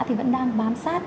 thì vẫn đang bám sát